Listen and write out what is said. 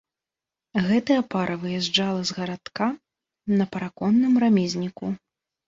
Гэтая пара выязджала з гарадка на параконным рамізніку.